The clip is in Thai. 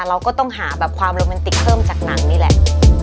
เราก็ต้องหาแบบความโรแมนติกเพิ่มจากหนังนี่แหละ